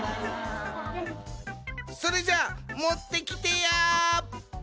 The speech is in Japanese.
それじゃあもってきてや！